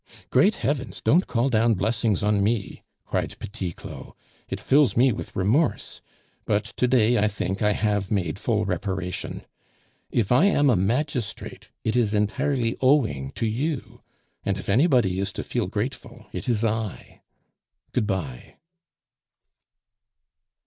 "Great heavens! don't call down blessings on me!" cried Petit Claud. "It fills me with remorse; but to day, I think, I have made full reparation. If I am a magistrate, it is entirely owing to you; and if anybody is to feel grateful, it is I. Good bye."